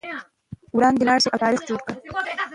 وړاندې لاړ شئ او تاریخ جوړ کړئ.